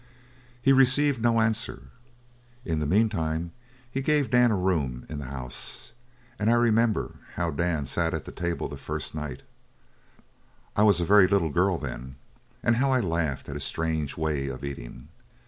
"He received no answer. In the meantime he gave Dan a room in the house; and I remember how Dan sat at the table the first night I was a very little girl then and how I laughed at his strange way of eating.